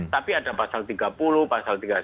tapi ada pasal tiga puluh pasal tiga puluh satu